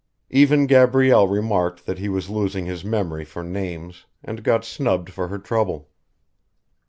Even Gabrielle remarked that he was losing his memory for names, and got snubbed for her trouble.